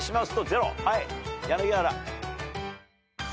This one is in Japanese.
はい柳原。